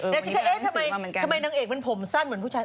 แล้วชิคกี้พายเอ๊ะทำไมทำไมนางเอกมันผมสั้นเหมือนผู้ชาย